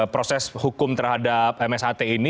proses hukum terhadap msat ini